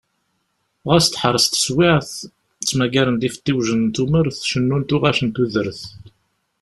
Xas teḥṛes teswaɛt ttmagaren-d ifeṭṭiwjen n tumert, cennun tuɣac n tudert.